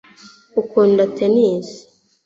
ukunda tennis